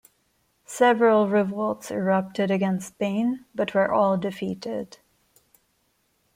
Several revolts erupted against Spain but were all defeated.